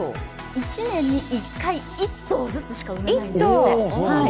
１年に１回、１頭ずつしか産めないんですって。